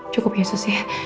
cukup ya susi